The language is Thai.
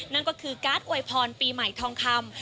นั่นก็คือการ์ดอวยพรปีใหม่ทองคำ